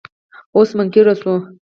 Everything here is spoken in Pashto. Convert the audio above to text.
اوس منکر شو.